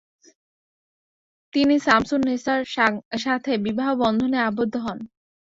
তিনি শামিসুন নেসা’র সাথে বিবাহ বন্ধনে আবদ্ধ হন।